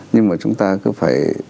nhưng mà chúng ta cứ phải